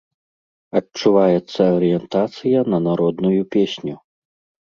Адчуваецца арыентацыя на народную песню.